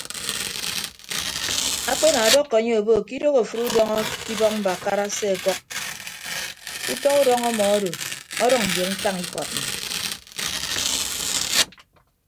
Akpe ana ọdọkọ anye obo ke idoho afịd udọñọ ke ibọk mbakara aseọkọk utọ udọñọ ọmmọ odo ọdʌñ ye mfañ ikọd nnyịn.